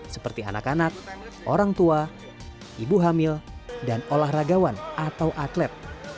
seperti anak anak orang tua ibu hamil dan olahragawan atau atlet